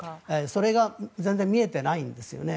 それが全然見えてないんですよね。